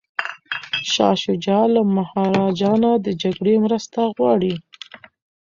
شاه شجاع له مهاراجا نه د جګړې مرسته غواړي.